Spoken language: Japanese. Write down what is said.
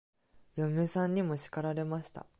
嫁さんにも叱られました。